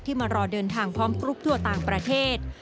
มารอเดินทางพร้อมกรุ๊ปทั่วต่างประเทศ